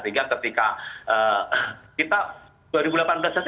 sehingga ketika kita